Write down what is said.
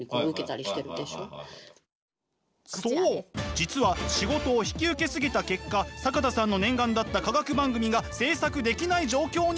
実は仕事を引き受け過ぎた結果坂田さんの念願だった化学番組が制作できない状況に！